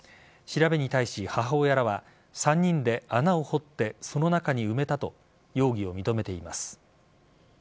調べに対し母親らは３人で穴を掘ってその中に埋めたと容疑を認めています。